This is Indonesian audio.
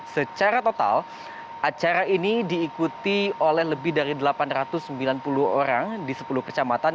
secara total acara ini diikuti oleh lebih dari delapan ratus sembilan puluh orang di sepuluh kecamatan